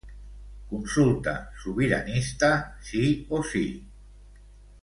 Consulta sobiranista, sí o sí.